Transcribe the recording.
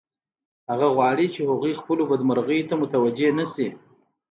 هغه غواړي چې هغوی خپلو بدمرغیو ته متوجه نشي